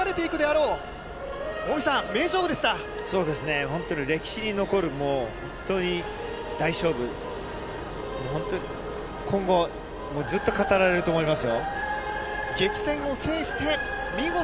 そうですね、本当に歴史に残る本当に大勝負、もう本当、今後、ずっと語られると思います